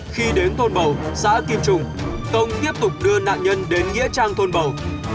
khi đến thôn bầu xã kim trung tông tiếp tục đưa nạn nhân đến nghĩa trang thôn bầu